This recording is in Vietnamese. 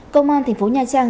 công an tp nha trang